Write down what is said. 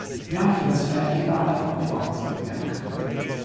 Wir hoffen, dass vielleicht die Wahl doch noch vorgezogen werden kann!